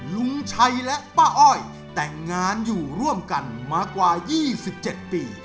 ลุงชัยและป้าอ้อยแต่งงานอยู่ร่วมกันมากว่า๒๗ปี